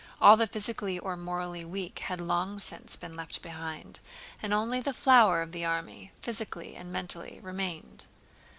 All the physically or morally weak had long since been left behind and only the flower of the army—physically and mentally—remained.